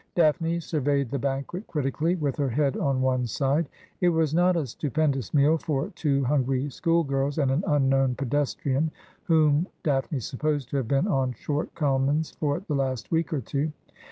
' Daphne surveyed the banquet critically, with her head on one side. It was not a stupendous meal for two hungry school girls and an unknown pedestrian, whom Daphne supposed to have been on short commons for the last week or two.